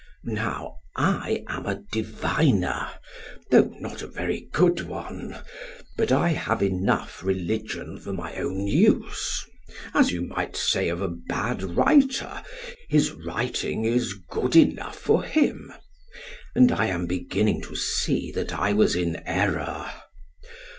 Now I am a diviner, though not a very good one, but I have enough religion for my own use, as you might say of a bad writer his writing is good enough for him; and I am beginning to see that I was in error.